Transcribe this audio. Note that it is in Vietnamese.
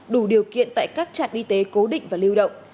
đủ điều kiện tại các trạm y tế cố định và lưu động